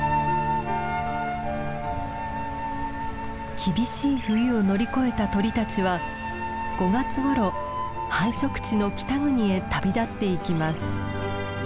厳しい冬を乗り越えた鳥たちは５月ごろ繁殖地の北国へ旅立っていきます。